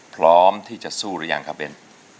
พร้อมที่จะสู้หรือยังครับเบน